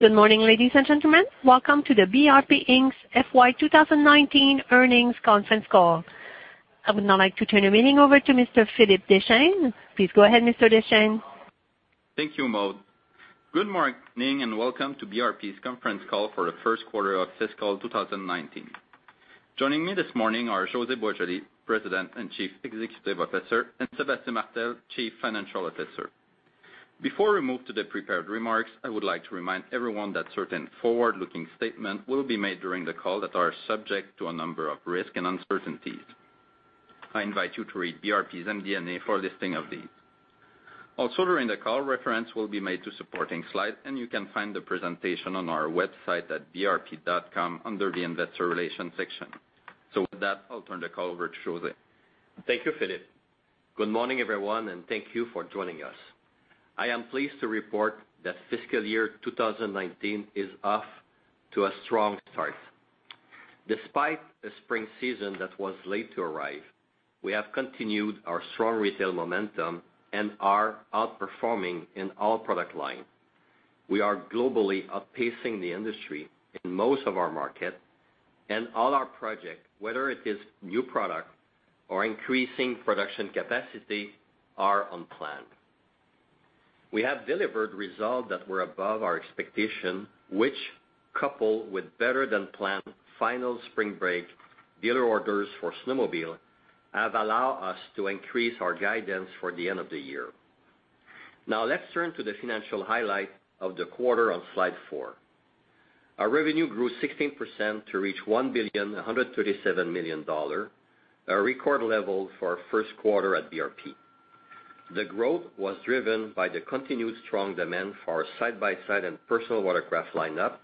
Good morning, ladies and gentlemen. Welcome to the BRP Inc.'s FY 2019 earnings conference call. I would now like to turn the meeting over to Mr. Philippe Deschênes. Please go ahead, Mr. Deschênes. Thank you, Maude. Good morning, and welcome to BRP's conference call for the first quarter of fiscal 2019. Joining me this morning are José Boisjoli, President and Chief Executive Officer, and Sébastien Martel, Chief Financial Officer. Before we move to the prepared remarks, I would like to remind everyone that certain forward-looking statements will be made during the call that are subject to a number of risks and uncertainties. I invite you to read BRP's MD&A for a listing of these. Also, during the call, reference will be made to supporting slides, and you can find the presentation on our website at brp.com under the investor relations section. With that, I'll turn the call over to José. Thank you, Philippe. Good morning, everyone, and thank you for joining us. I am pleased to report that fiscal year 2019 is off to a strong start. Despite a spring season that was late to arrive, we have continued our strong retail momentum and are outperforming in all product lines. We are globally outpacing the industry in most of our markets and all our projects, whether it is new product or increasing production capacity, are on plan. We have delivered results that were above our expectation, which, coupled with better than planned final Spring Check dealer orders for snowmobile, have allowed us to increase our guidance for the end of the year. Now let's turn to the financial highlight of the quarter on slide four. Our revenue grew 16% to reach 1,137,000,000 dollars, a record level for our first quarter at BRP. The growth was driven by the continued strong demand for our side-by-side and personal watercraft lineup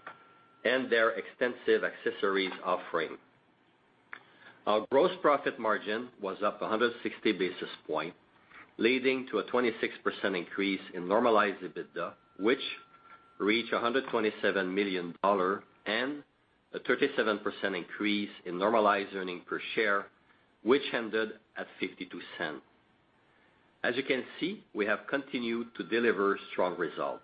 and their extensive accessories offering. Our gross profit margin was up 160 basis points, leading to a 26% increase in normalized EBITDA, which reached 127,000,000 dollar and a 37% increase in normalized earnings per share, which ended at 0.52. As you can see, we have continued to deliver strong results.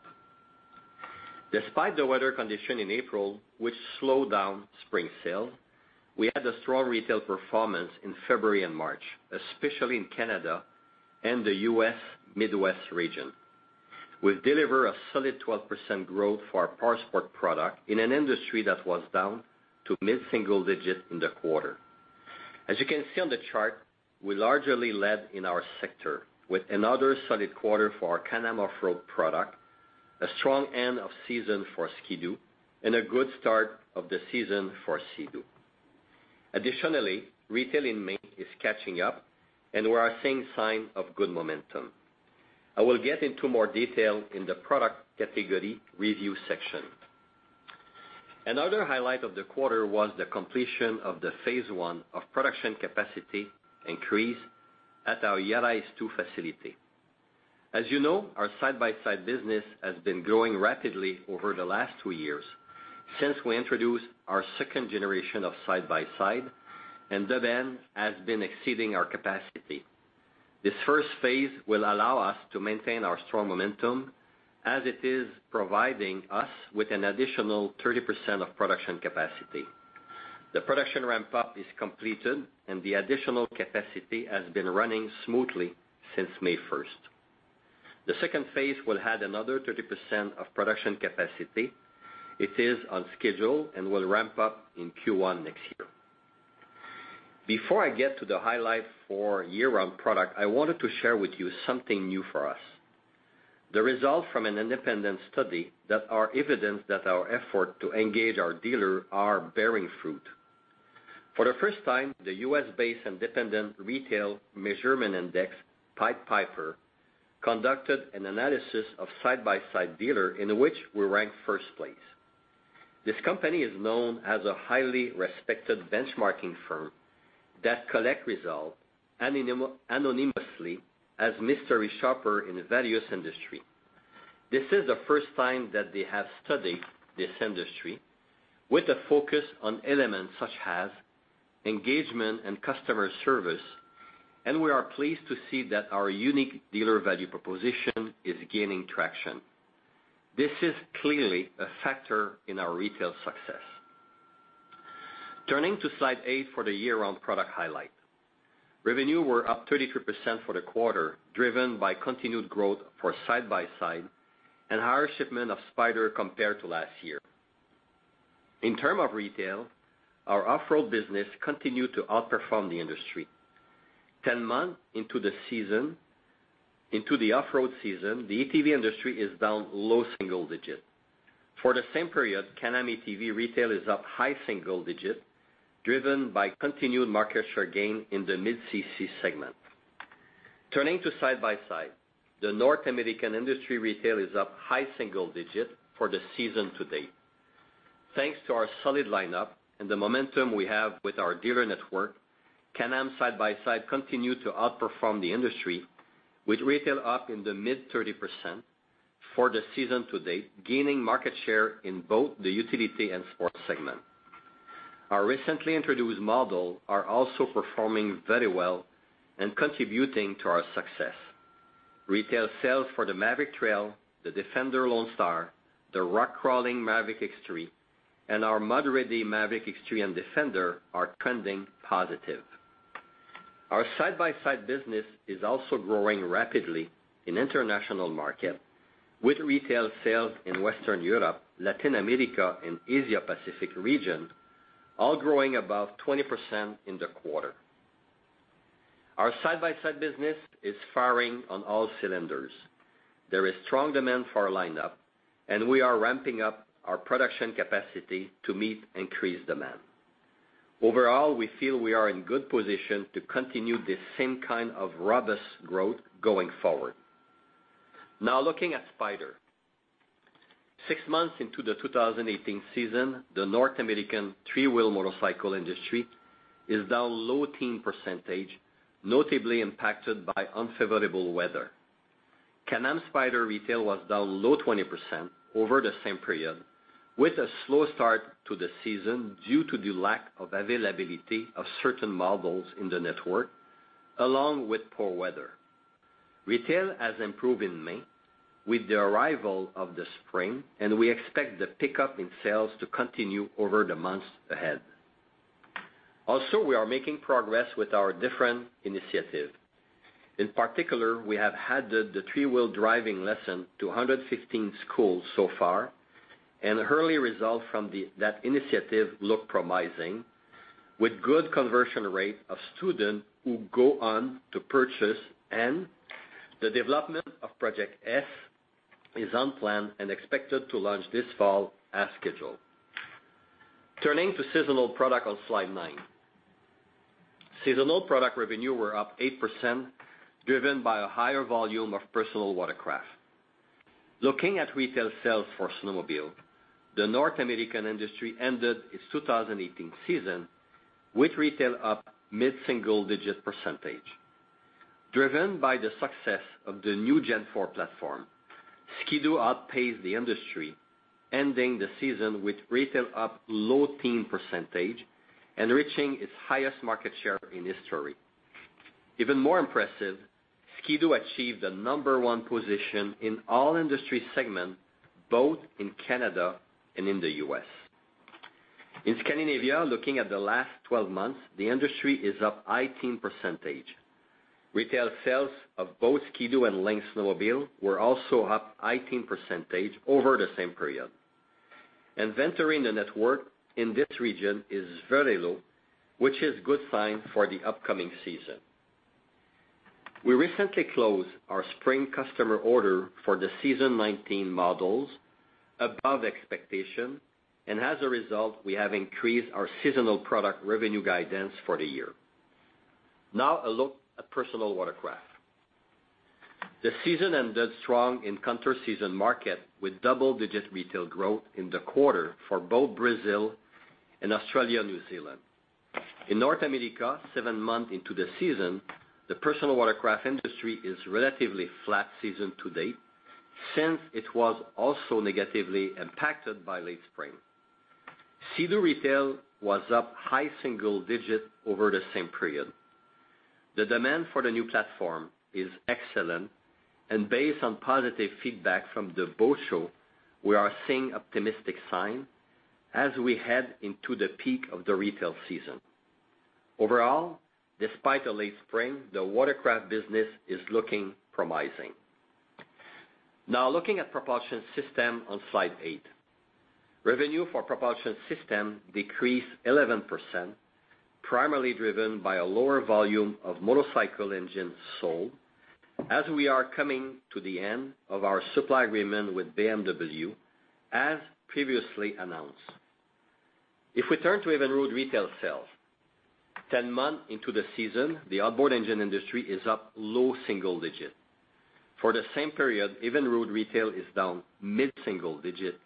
Despite the weather condition in April, which slowed down spring sales, we had a strong retail performance in February and March, especially in Canada and the U.S. Midwest region. We've delivered a solid 12% growth for our Powersport product in an industry that was down to mid-single digit in the quarter. As you can see on the chart, we largely led in our sector with another solid quarter for our Can-Am off-road product, a strong end of season for Ski-Doo, and a good start of the season for Sea-Doo. Additionally, retail in May is catching up, and we are seeing signs of good momentum. I will get into more detail in the product category review section. Another highlight of the quarter was the completion of the phase one of production capacity increase at our Juárez 2 facility. As you know, our side-by-side business has been growing rapidly over the last two years since we introduced our second generation of side-by-side, and demand has been exceeding our capacity. This first phase will allow us to maintain our strong momentum as it is providing us with an additional 30% of production capacity. The production ramp-up is completed, and the additional capacity has been running smoothly since May 1st. The second phase will add another 30% of production capacity. It is on schedule and will ramp up in Q1 next year. Before I get to the highlight for year-round product, I wanted to share with you something new for us, the result from an independent study that our evidence that our effort to engage our dealer are bearing fruit. For the first time, the U.S.-based independent retail measurement index, Pied Piper, conducted an analysis of side-by-side dealer in which we ranked first place. This company is known as a highly respected benchmarking firm that collect results anonymously as mystery shopper in various industry. This is the first time that they have studied this industry with a focus on elements such as engagement and customer service, and we are pleased to see that our unique dealer value proposition is gaining traction. This is clearly a factor in our retail success. Turning to slide eight for the year-round product highlight. Revenue were up 33% for the quarter, driven by continued growth for side-by-side and higher shipment of Spyder compared to last year. In term of retail, our off-road business continued to outperform the industry. 10 months into the off-road season, the ATV industry is down low single-digit. For the same period, Can-Am ATV retail is up high single-digit, driven by continued market share gain in the mid-cc segment. Turning to side-by-side, the North American industry retail is up high single-digit for the season to date. Thanks to our solid lineup and the momentum we have with our dealer network, Can-Am side-by-side continued to outperform the industry with retail up in the mid-30% for the season to date, gaining market share in both the utility and sports segment. Our recently introduced model are also performing very well and contributing to our success. Retail sales for the Maverick Trail, the Defender Lone Star, the rock crawling Maverick X3, and our moderated Maverick X3 and Defender are trending positive. Our side-by-side business is also growing rapidly in international market with retail sales in Western Europe, Latin America, and Asia Pacific region, all growing above 20% in the quarter. Our side-by-side business is firing on all cylinders. There is strong demand for our lineup, and we are ramping up our production capacity to meet increased demand. Overall, we feel we are in good position to continue the same kind of robust growth going forward. Now looking at Spyder. Six months into the 2018 season, the North American three-wheel motorcycle industry is down low teen %, notably impacted by unfavorable weather. Can-Am Spyder retail was down low 20% over the same period, with a slow start to the season due to the lack of availability of certain models in the network, along with poor weather. Retail has improved in May with the arrival of the spring, and we expect the pickup in sales to continue over the months ahead. Also, we are making progress with our different initiative. In particular, we have added the three-wheel driving lesson to 115 schools so far, and early result from that initiative look promising with good conversion rate of student who go on to purchase. The development of Project S is on plan and expected to launch this fall as scheduled. Turning to seasonal product on slide 9. Seasonal product revenue were up 8%, driven by a higher volume of personal watercraft. Looking at retail sales for snowmobile, the North American industry ended its 2018 season with retail up mid-single digit %. Driven by the success of the new Gen 4 platform, Ski-Doo outpaced the industry, ending the season with retail up low teen % and reaching its highest market share in history. Even more impressive, Ski-Doo achieved the number 1 position in all industry segment, both in Canada and in the U.S. In Scandinavia, looking at the last 12 months, the industry is up high teen %. Retail sales of both Ski-Doo and Lynx snowmobile were also up high teen % over the same period. Inventory in the network in this region is very low, which is good sign for the upcoming season. We recently closed our spring customer order for the season 2019 models above expectation, and as a result, we have increased our seasonal product revenue guidance for the year. Now a look at personal watercraft. The season ended strong in counter-season market with double-digit retail growth in the quarter for both Brazil and Australia, New Zealand. In North America, 7 months into the season, the personal watercraft industry is relatively flat season to date, since it was also negatively impacted by late spring. Sea-Doo retail was up high single digit over the same period. The demand for the new platform is excellent, and based on positive feedback from the boat show, we are seeing optimistic sign as we head into the peak of the retail season. Overall, despite a late spring, the watercraft business is looking promising. Now looking at propulsion system on slide 8. Revenue for propulsion system decreased 11%, primarily driven by a lower volume of motorcycle engines sold, as we are coming to the end of our supply agreement with BMW, as previously announced. If we turn to Evinrude retail sales, 10 months into the season, the outboard engine industry is up low single digit. For the same period, Evinrude retail is down mid-single digit,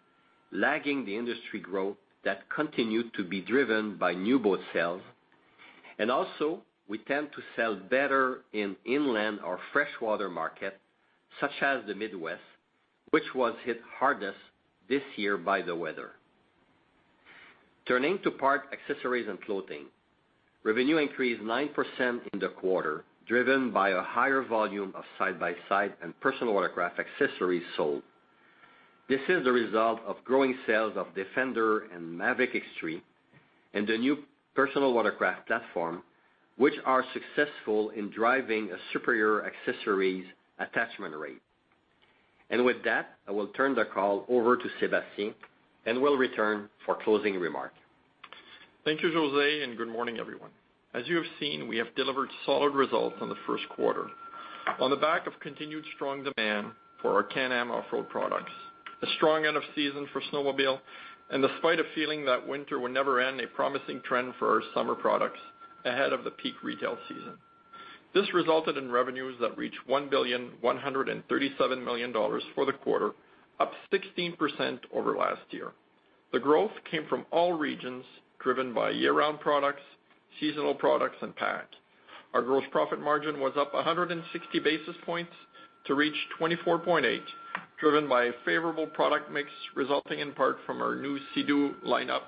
lagging the industry growth that continued to be driven by new boat sales. We tend to sell better in inland or freshwater market, such as the Midwest, which was hit hardest this year by the weather. Turning to Parts, Accessories, and Clothing. Revenue increased 9% in the quarter, driven by a higher volume of side-by-side and personal watercraft accessories sold. This is the result of growing sales of Defender and Maverick X3 and the new personal watercraft platform, which are successful in driving a superior accessories attachment rate. With that, I will turn the call over to Sébastien and will return for closing remark. Thank you, José, and good morning, everyone. As you have seen, we have delivered solid results on the first quarter. On the back of continued strong demand for our Can-Am off-road products, a strong end of season for snowmobile, and despite a feeling that winter would never end, a promising trend for our summer products ahead of the peak retail season. This resulted in revenues that reached 1.137 billion for the quarter, up 16% over last year. The growth came from all regions, driven by year-round products Seasonal products and PA&C. Our gross profit margin was up 160 basis points to reach 24.8%, driven by a favorable product mix, resulting in part from our new Sea-Doo lineup,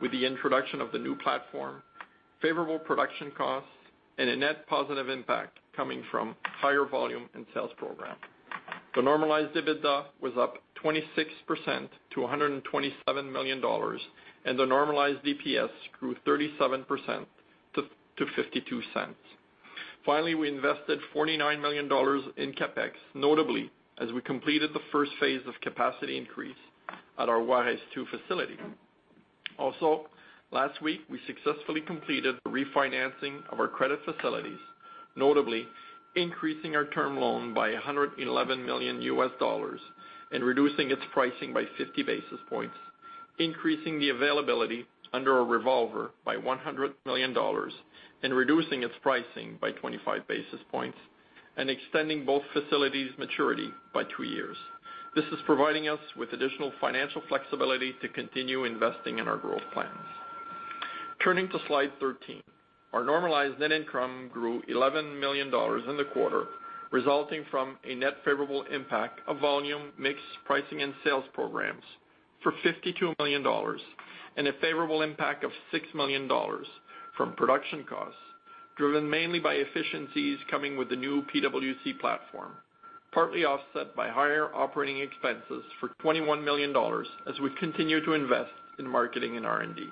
with the introduction of the new platform, favorable production costs, and a net positive impact coming from higher volume and sales program. The normalized EBITDA was up 26% to 127 million dollars, and the normalized EPS grew 37% to 0.52. Finally, we invested 49 million dollars in CapEx, notably as we completed the first phase of capacity increase at our Juárez 2 facility. Last week, we successfully completed the refinancing of our credit facilities, notably increasing our term loan by CAD 111 million and reducing its pricing by 50 basis points, increasing the availability under a revolver by 100 million dollars and reducing its pricing by 25 basis points, and extending both facilities' maturity by two years. This is providing us with additional financial flexibility to continue investing in our growth plans. Turning to slide 13. Our normalized net income grew 11 million dollars in the quarter, resulting from a net favorable impact of volume, mix, pricing and sales programs for 52 million dollars and a favorable impact of 6 million dollars from production costs, driven mainly by efficiencies coming with the new PWC platform, partly offset by higher operating expenses for 21 million dollars as we continue to invest in marketing and R&D.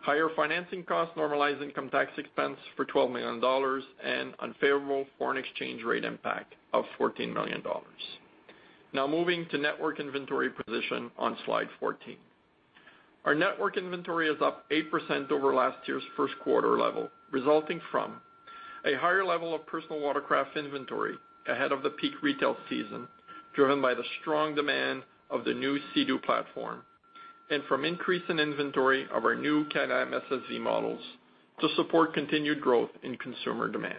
Higher financing costs normalized income tax expense for 12 million dollars and unfavorable foreign exchange rate impact of 14 million dollars. Moving to network inventory position on slide 14. Our network inventory is up 8% over last year's first quarter level, resulting from a higher level of personal watercraft inventory ahead of the peak retail season, driven by the strong demand of the new Sea-Doo platform, and from increase in inventory of our new Can-Am SSV models to support continued growth in consumer demand.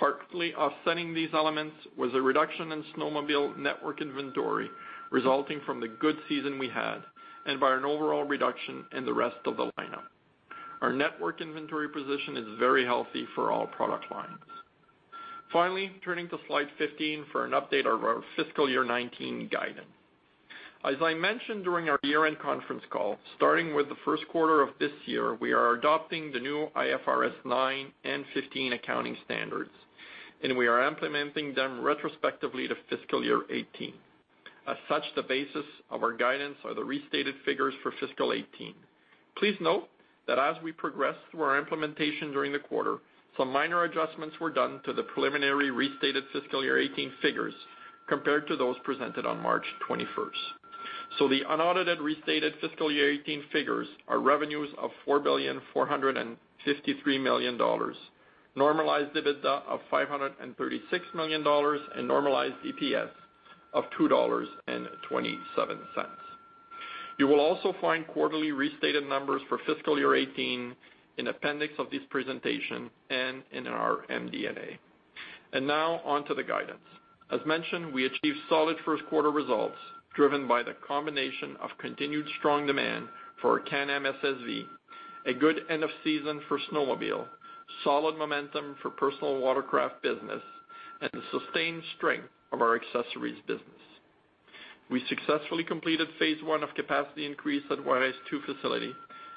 Partly offsetting these elements was a reduction in snowmobile network inventory resulting from the good season we had and by an overall reduction in the rest of the lineup. Our network inventory position is very healthy for all product lines. Finally, turning to slide 15 for an update of our fiscal year 2019 guidance. As I mentioned during our year-end conference call, starting with the first quarter of this year, we are adopting the new IFRS 9 and 15 accounting standards, and we are implementing them retrospectively to fiscal year 2018. As such, the basis of our guidance are the restated figures for fiscal year 2018. Please note that as we progress through our implementation during the quarter, some minor adjustments were done to the preliminary restated fiscal year 2018 figures compared to those presented on March 21st. The unaudited restated fiscal year 2018 figures are revenues of 4.453 billion, normalized EBITDA of 536 million dollars, and normalized EPS of 2.27 dollars. You will also find quarterly restated numbers for fiscal year 2018 in appendix of this presentation and in our MD&A. Now on to the guidance. As mentioned, we achieved solid first quarter results driven by the combination of continued strong demand for our Can-Am SSV, a good end-of-season for snowmobile, solid momentum for personal watercraft business, and the sustained strength of our accessories business. We successfully completed phase one of capacity increase at Juárez 2 facility,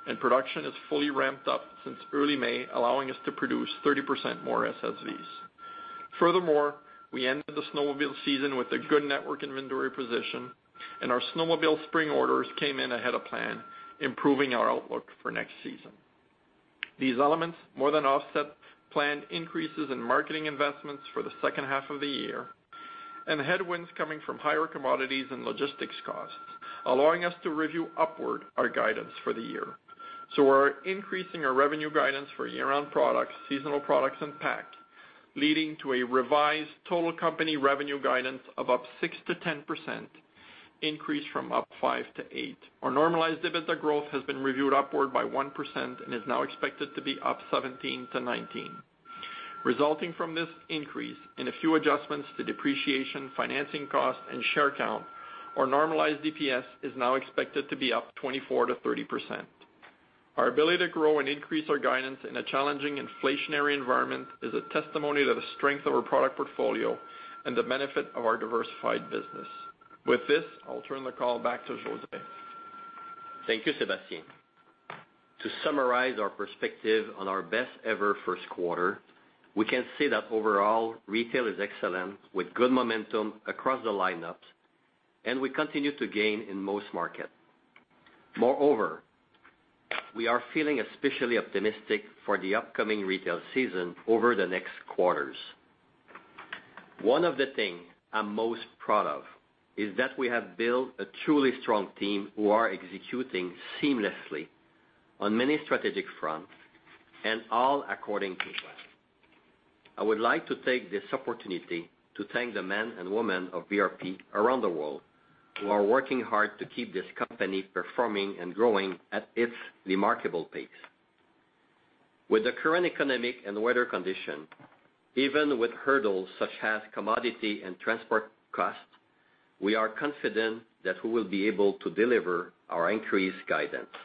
and production is fully ramped up since early May, allowing us to produce 30% more SSVs. Furthermore, we ended the snowmobile season with a good network inventory position, and our snowmobile Spring Check orders came in ahead of plan, improving our outlook for next season. These elements more than offset planned increases in marketing investments for the second half of the year and headwinds coming from higher commodities and logistics costs, allowing us to review upward our guidance for the year. We're increasing our revenue guidance for year-round products, seasonal products, and PA&C, leading to a revised total company revenue guidance of up 6%-10%, increase from up 5%-8%. Our normalized EBITDA growth has been reviewed upward by 1% and is now expected to be up 17%-19%. Resulting from this increase in a few adjustments to depreciation, financing costs, and share count, our normalized EPS is now expected to be up 24%-30%. Our ability to grow and increase our guidance in a challenging inflationary environment is a testimony to the strength of our product portfolio and the benefit of our diversified business. With this, I'll turn the call back to José. Thank you, Sébastien. To summarize our perspective on our best ever first quarter, we can say that overall, retail is excellent, with good momentum across the lineups, and we continue to gain in most markets. Moreover, we are feeling especially optimistic for the upcoming retail season over the next quarters. One of the thing I'm most proud of is that we have built a truly strong team who are executing seamlessly on many strategic fronts and all according to plan. I would like to take this opportunity to thank the men and women of BRP around the world who are working hard to keep this company performing and growing at its remarkable pace. With the current economic and weather condition, even with hurdles such as commodity and transport costs We are confident that we will be able to deliver our increased guidance.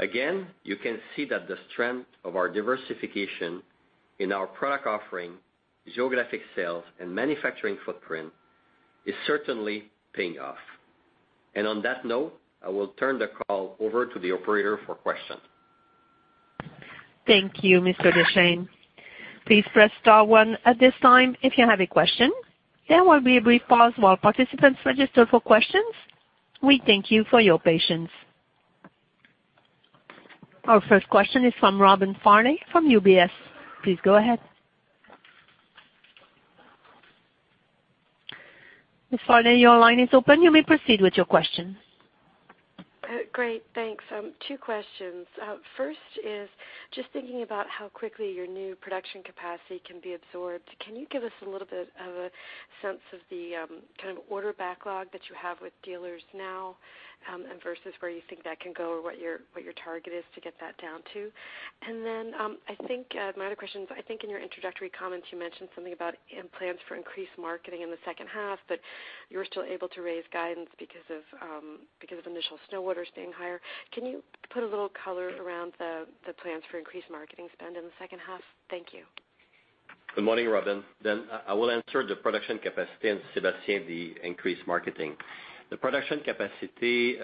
Again, you can see that the strength of our diversification in our product offering, geographic sales, and manufacturing footprint is certainly paying off. On that note, I will turn the call over to the operator for questions. Thank you, Mr. Deschênes. Please press star one at this time if you have a question. There will be a brief pause while participants register for questions. We thank you for your patience. Our first question is from Robin Farley from UBS. Please go ahead. Ms. Farley, your line is open. You may proceed with your question. Great, thanks. Two questions. First is just thinking about how quickly your new production capacity can be absorbed. Can you give us a little bit of a sense of the kind of order backlog that you have with dealers now, and versus where you think that can go or what your target is to get that down to? Then, my other question is, I think in your introductory comments you mentioned something about plans for increased marketing in the second half, but you were still able to raise guidance because of initial snowmobile orders being higher. Can you put a little color around the plans for increased marketing spend in the second half? Thank you. Good morning, Robin. I will answer the production capacity and Sébastien, the increased marketing. The production capacity,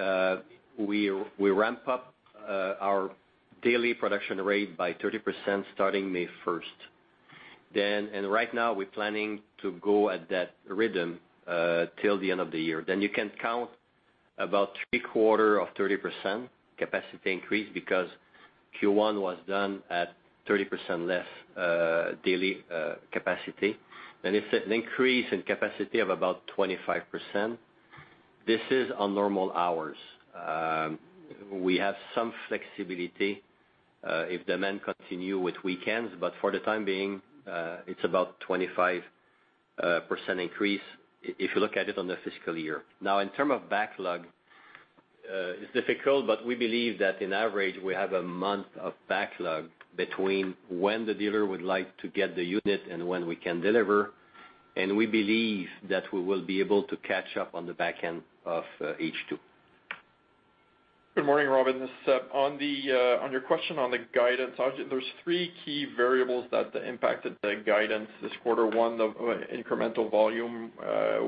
we ramp up our daily production rate by 30% starting May 1st. Right now we're planning to go at that rhythm, till the end of the year. You can count about three quarter of 30% capacity increase because Q1 was done at 30% less daily capacity. It's an increase in capacity of about 25%. This is on normal hours. We have some flexibility if demand continue with weekends. For the time being, it's about 25% increase if you look at it on the fiscal year. In term of backlog, it's difficult, we believe that in average, we have a month of backlog between when the dealer would like to get the unit and when we can deliver, we believe that we will be able to catch up on the back end of H2. Good morning, Robin. This is Seb. On your question on the guidance, there's three key variables that impacted the guidance this quarter. One, the incremental volume,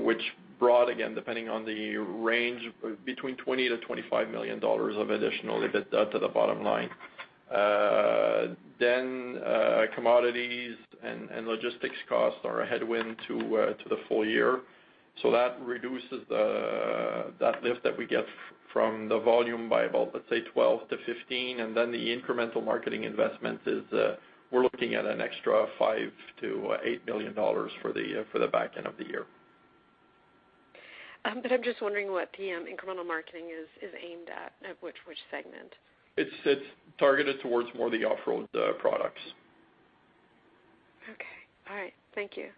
which brought again, depending on the range, between 20 million to 25 million dollars of additional EBITDA to the bottom line. Commodities and logistics costs are a headwind to the full year. That reduces that lift that we get from the volume by about, let's say 12 million to 15 million, the incremental marketing investment, we're looking at an extra 5 million to 8 million dollars for the backend of the year. I'm just wondering what the incremental marketing is aimed at which segment. It's targeted towards more the off-road products. Okay. All right. Thank you.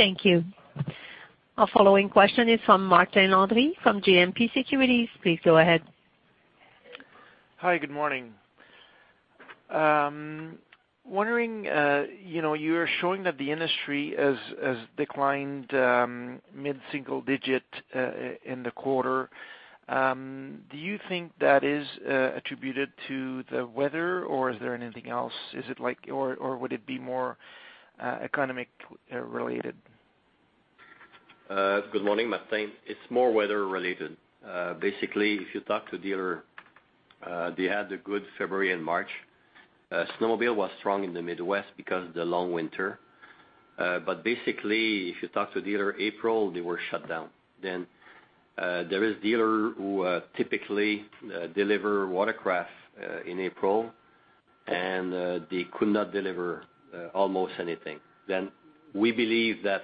Thank you. Our following question is from Martin Landry from GMP Securities. Please go ahead. Hi. Good morning. Wondering, you are showing that the industry has declined mid-single digit in the quarter. Do you think that is attributed to the weather or is there anything else? Is it like, or would it be more economic related? Good morning, Martin. It's more weather related. Basically, if you talk to dealer, they had a good February and March. Snowmobile was strong in the Midwest because of the long winter. Basically if you talk to dealer April, they were shut down. There is dealer who typically deliver watercraft in April, and they could not deliver almost anything. We believe that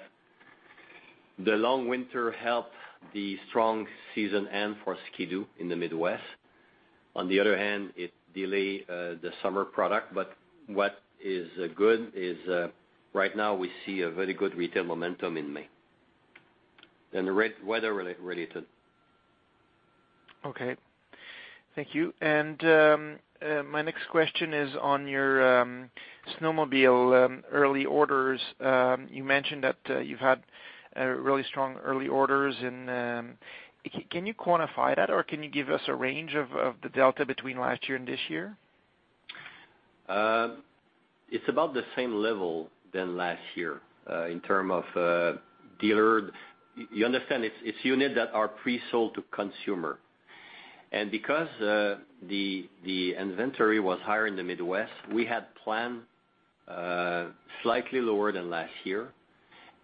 the long winter helped the strong season end for Ski-Doo in the Midwest. On the other hand, it delay the summer product, but what is good is right now we see a very good retail momentum in May. The weather related. Okay. Thank you. My next question is on your snowmobile early orders. You mentioned that you've had really strong early orders and can you quantify that or can you give us a range of the delta between last year and this year? It's about the same level than last year. In term of dealer, you understand it's unit that are pre-sold to consumer, and because the inventory was higher in the Midwest, we had planned slightly lower than last year.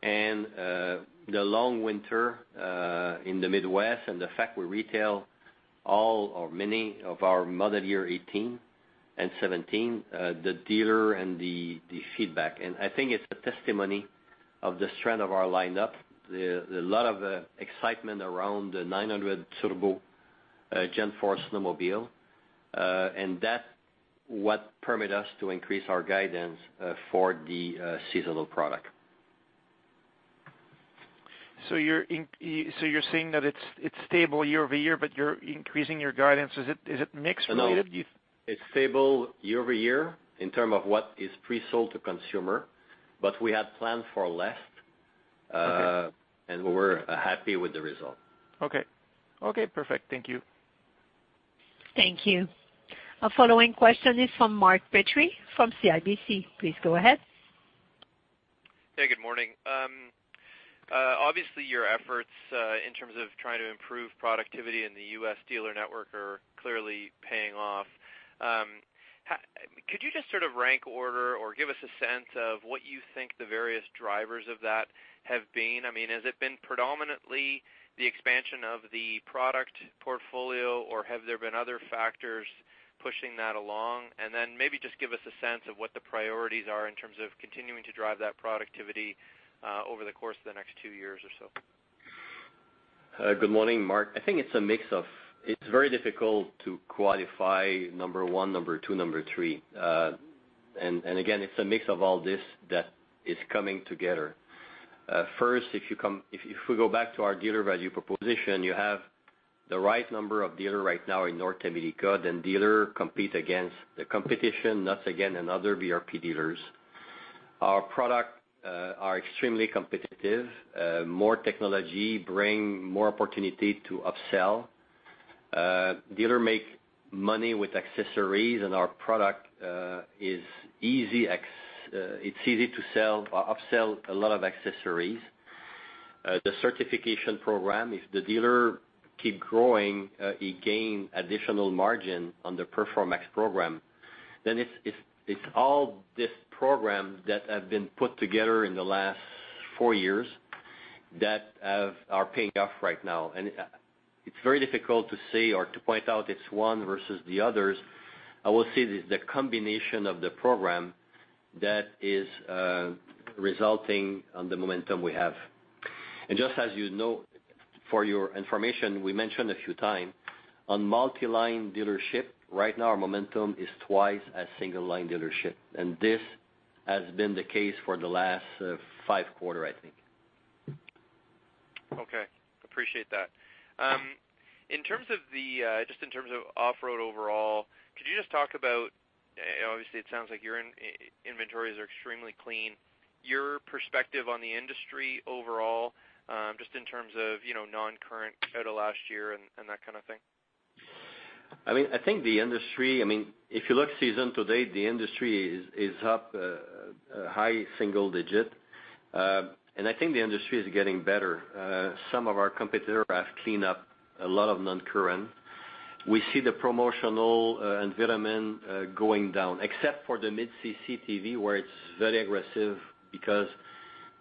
The long winter in the Midwest and the fact we retail all or many of our model year 2018 and 2017, the dealer and the feedback, and I think it's a testimony of the strength of our lineup. There's a lot of excitement around the 900 Turbo Gen 4 snowmobile, and that what permit us to increase our guidance for the seasonal product. You're saying that it's stable year-over-year, but you're increasing your guidance. Is it mix related? No. It's stable year-over-year in terms of what is pre-sold to consumer, but we had planned for less. Okay We're happy with the result. Okay. Perfect. Thank you. Thank you. Our following question is from Mark Petrie from CIBC. Please go ahead. Hey, good morning. Obviously, your efforts in terms of trying to improve productivity in the U.S. dealer network are clearly paying off. Could you just sort of rank order or give us a sense of what you think the various drivers of that have been? Has it been predominantly the expansion of the product portfolio, or have there been other factors pushing that along? And then maybe just give us a sense of what the priorities are in terms of continuing to drive that productivity over the course of the next two years or so. Good morning, Mark. I think it's a mix of. It's very difficult to qualify number 1, number 2, number 3. Again, it's a mix of all this that is coming together. First, if we go back to our dealer value proposition, you have the right number of dealer right now in North America. Dealer compete against the competition, us again and other BRP dealers. Our product are extremely competitive. More technology bring more opportunity to upsell. Dealer make money with accessories and our product, it's easy to upsell a lot of accessories. The certification program, if the dealer keep growing, he gain additional margin on the Performax program. It's all these programs that have been put together in the last four years that are paying off right now. It's very difficult to say or to point out it's one versus the others. I would say it is the combination of the program that is resulting on the momentum we have. Just as you know, for your information, we mentioned a few time, on multi-line dealership, right now our momentum is twice as single line dealership, and this has been the case for the last five quarter, I think. Okay. Appreciate that. Just in terms of off-road overall, could you just talk about, obviously, it sounds like your inventories are extremely clean, your perspective on the industry overall, just in terms of non-current out of last year and that kind of thing? I think the industry, if you look season to date, the industry is up a high single digit. I think the industry is getting better. Some of our competitors have cleaned up a lot of non-current. We see the promotional environment going down, except for the mid-cc ATV, where it's very aggressive because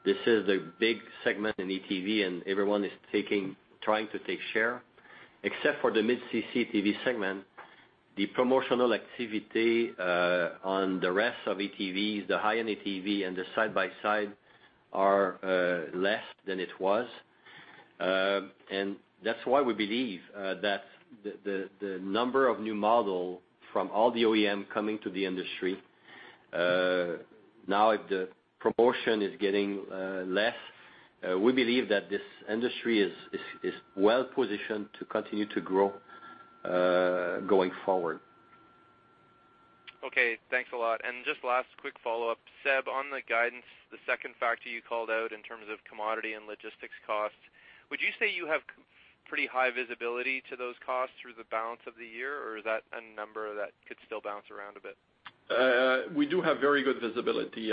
this is a big segment in ATV and everyone is trying to take share. Except for the mid-cc ATV segment, the promotional activity on the rest of ATVs, the high-end ATV and the side-by-side are less than it was. That's why we believe that the number of new model from all the OEM coming to the industry, now the proportion is getting less. We believe that this industry is well-positioned to continue to grow going forward. Okay. Thanks a lot. Just last quick follow-up, Seb, on the guidance, the second factor you called out in terms of commodity and logistics costs, would you say you have pretty high visibility to those costs through the balance of the year, or is that a number that could still bounce around a bit? We do have very good visibility.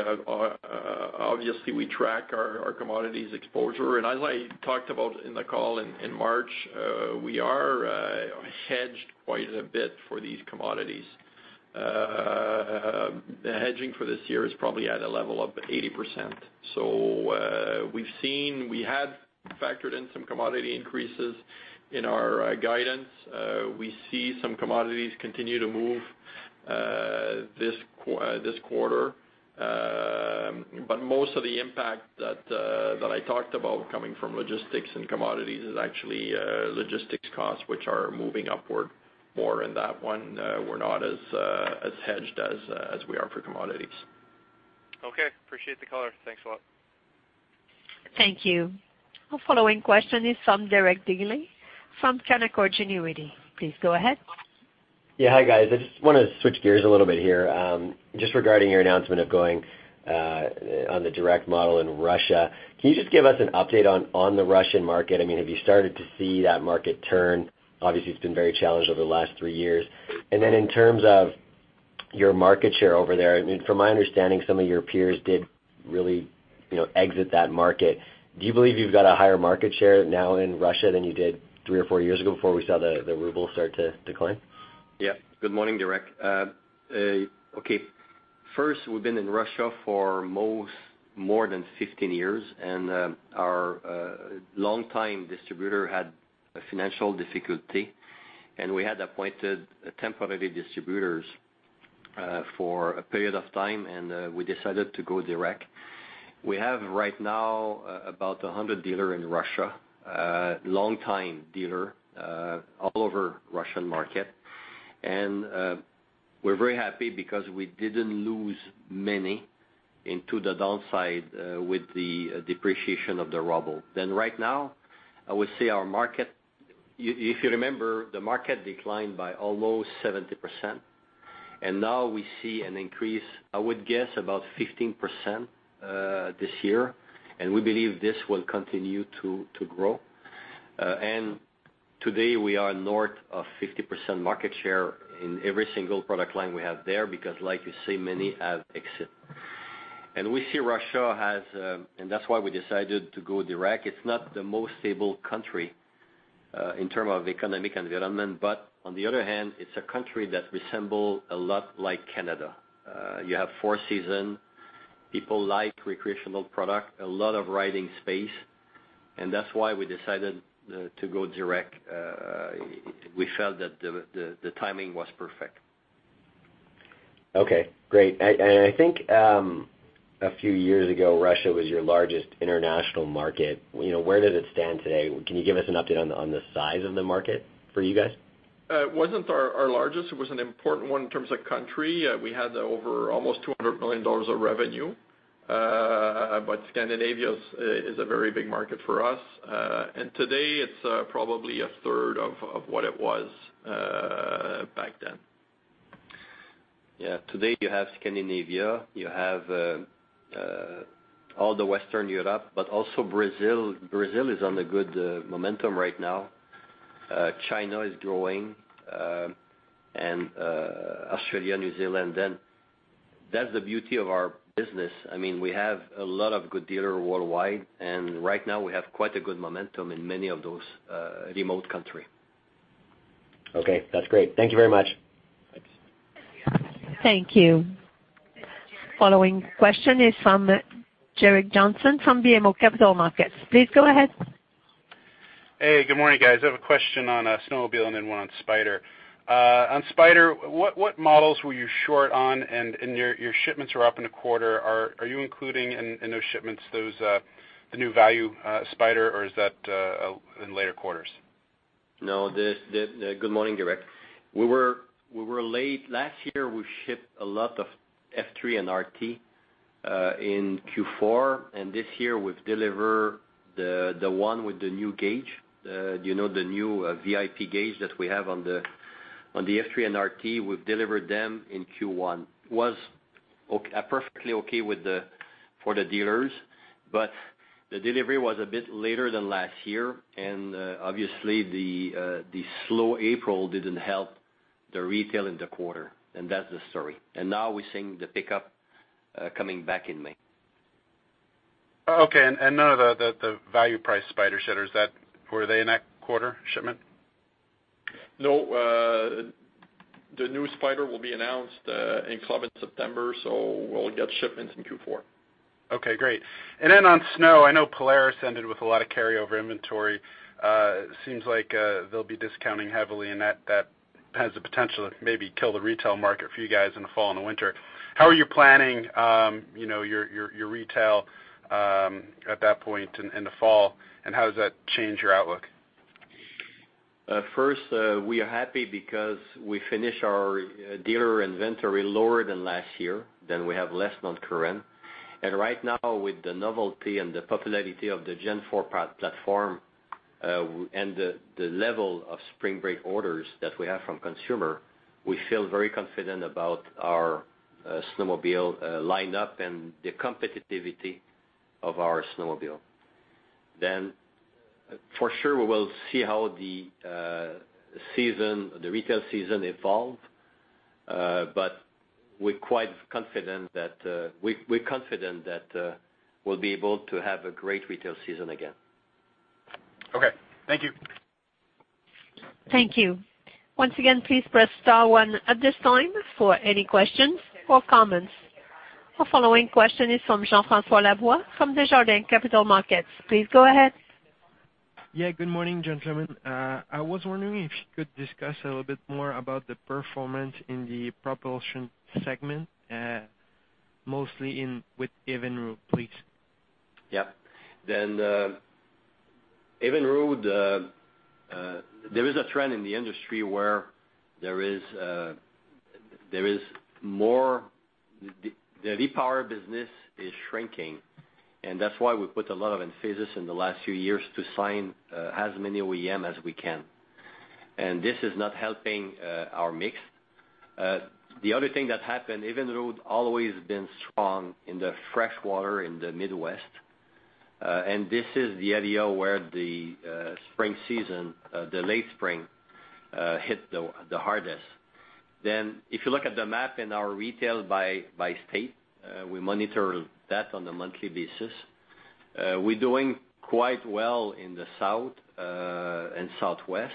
Obviously, we track our commodities exposure. As I talked about in the call in March, we are hedged quite a bit for these commodities. The hedging for this year is probably at a level of 80%. We've seen we had factored in some commodity increases in our guidance. We see some commodities continue to move this quarter. Most of the impact that I talked about coming from logistics and commodities is actually logistics costs, which are moving upward more in that one. We're not as hedged as we are for commodities. Okay. Appreciate the color. Thanks a lot. Thank you. Our following question is from Derek Dley from Canaccord Genuity. Please go ahead. Yeah. Hi guys. I just want to switch gears a little bit here. Just regarding your announcement of going on the direct model in Russia, can you just give us an update on the Russian market? Have you started to see that market turn? Obviously, it's been very challenged over the last three years. Then in terms of your market share over there, from my understanding, some of your peers did really exit that market. Do you believe you've got a higher market share now in Russia than you did three or four years ago, before we saw the ruble start to decline? Yeah. Good morning, Derek. Okay. First, we've been in Russia for more than 15 years, and our longtime distributor had a financial difficulty, and we had appointed temporary distributors for a period of time, and we decided to go direct. We have right now about 100 dealer in Russia, longtime dealer, all over Russian market. We're very happy because we didn't lose many into the downside with the depreciation of the ruble. Right now, I would say, if you remember, the market declined by almost 70%, and now we see an increase, I would guess about 15% this year, and we believe this will continue to grow. Today we are north of 50% market share in every single product line we have there because like you say, many have exit. That's why we decided to go direct. It's not the most stable country, in term of economic environment, but on the other hand, it's a country that resemble a lot like Canada. You have four season, people like recreational product, a lot of riding space. That's why we decided to go direct. We felt that the timing was perfect. Okay, great. I think, a few years ago, Russia was your largest international market. Where does it stand today? Can you give us an update on the size of the market for you guys? It wasn't our largest. It was an important one in terms of country. We had over almost 200 million dollars of revenue. Scandinavia is a very big market for us. Today it's probably a third of what it was back then. Yeah. Today you have Scandinavia, you have all the Western Europe, also Brazil. Brazil is on a good momentum right now. China is growing, Australia, New Zealand. That's the beauty of our business. We have a lot of good dealer worldwide, right now we have quite a good momentum in many of those remote country. Okay, that's great. Thank you very much. Thanks. Thank you. Following question is from Gerrick Johnson from BMO Capital Markets. Please go ahead. Hey, good morning, guys. I have a question on snowmobile and then one on Spyder. On Spyder, what models were you short on? Your shipments are up in a quarter. Are you including in those shipments the new value Spyder, or is that in later quarters? No. Good morning, Gerrick. We were late. Last year, we shipped a lot of F3 and RT in Q4, and this year we've deliver the one with the new gauge. Do you know the new VIP gauge that we have on the F3 and RT? We've delivered them in Q1. Was perfectly okay for the dealers, but the delivery was a bit later than last year, obviously, the slow April didn't help the retail in the quarter, and that's the story. Now we're seeing the pickup coming back in May. Okay. None of the value price Spyder shipments, were they in that quarter, shipment? No. The new Spyder will be announced in Club in September. We'll get shipments in Q4. Okay, great. On snow, I know Polaris ended with a lot of carryover inventory. Seems like they'll be discounting heavily, and that has the potential to maybe kill the retail market for you guys in the fall and the winter. How are you planning your retail at that point in the fall, and how does that change your outlook? First, we are happy because we finish our dealer inventory lower than last year. We have less non-current. Right now with the novelty and the popularity of the Gen4 platform, and the level of Spring Check orders that we have from consumer, we feel very confident about our snowmobile lineup and the competitivity of our snowmobile. For sure, we will see how the retail season evolve, we're confident that we'll be able to have a great retail season again. Okay. Thank you. Thank you. Once again, please press star one at this time for any questions or comments. Our following question is from Jean-Francois Lavoie from Desjardins Capital Markets. Please go ahead. Yeah. Good morning, gentlemen. I was wondering if you could discuss a little bit more about the performance in the propulsion segment, mostly with Evinrude, please. Yeah. Evinrude, there is a trend in the industry where the repower business is shrinking, and that's why we put a lot of emphasis in the last few years to sign as many OEM as we can. This is not helping our mix. The other thing that happened, Evinrude always been strong in the freshwater in the Midwest. This is the area where the spring season, the late spring, hit the hardest. If you look at the map in our retail by state, we monitor that on a monthly basis. We're doing quite well in the South and Southwest,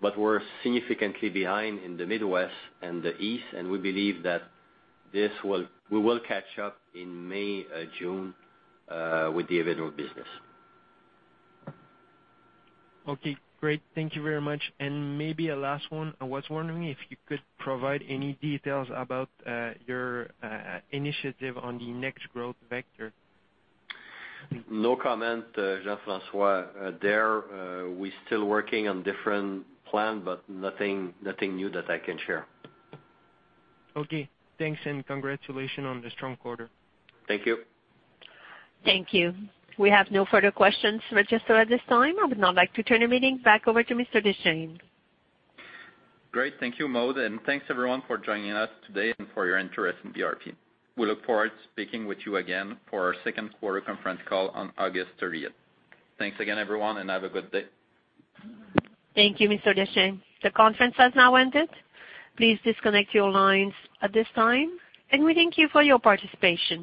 but we're significantly behind in the Midwest and the East, and we believe that we will catch up in May, June, with the Evinrude business. Okay, great. Thank you very much. Maybe a last one. I was wondering if you could provide any details about your initiative on the next growth vector. No comment, Jean-François. There, we're still working on different plan, but nothing new that I can share. Okay, thanks, and congratulations on the strong quarter. Thank you. Thank you. We have no further questions registered at this time. I would now like to turn the meeting back over to Mr. Deschênes. Great. Thank you, Maude, and thanks everyone for joining us today and for your interest in BRP. We look forward to speaking with you again for our second quarter conference call on August 30th. Thanks again, everyone, and have a good day. Thank you, Mr. Deschênes. The conference has now ended. Please disconnect your lines at this time, and we thank you for your participation.